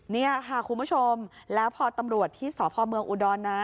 นี่ค่ะคุณผู้ชมแล้วพอตำรวจที่สพเมืองอุดรนะ